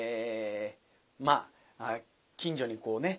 まあ近所にこうね